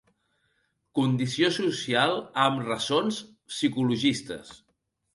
Condició social amb ressons psicologistes.